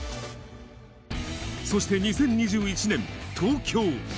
そして２０２１年、東京。